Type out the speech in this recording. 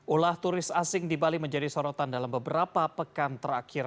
ulah turis asing di bali menjadi sorotan dalam beberapa pekan terakhir